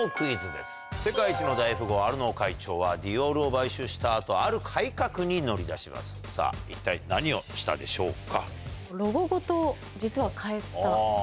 世界一の大富豪アルノー会長はディオールを買収した後ある改革に乗り出しますさぁ一体何をしたでしょうか？